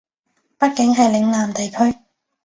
畢竟係嶺南地區